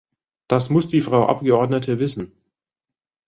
Das muss die Frau Abgeordnete wissen.